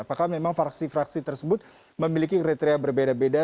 apakah memang fraksi fraksi tersebut memiliki kriteria berbeda beda